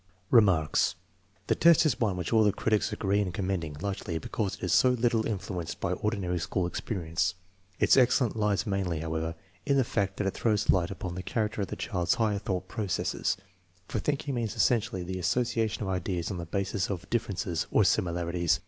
Remarks. The test is one which all the critics agree in commending, largely because it is so little influenced by ordinary school experience. Its excellence lies mainly, however, in the fact that it throws light upon the character 02 THE MEASUREMENT OF INTELLIGENCE of the child's higher thought processes, for thinking means essentially the association of ideas on the basis of differ ences or similarities.